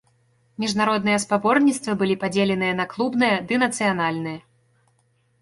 Міжнародныя спаборніцтвы былі падзеленыя на клубныя ды нацыянальныя.